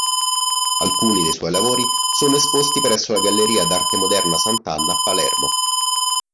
Alcuni dei suoi lavori sono esposti presso la Galleria d'arte moderna Sant'Anna a Palermo.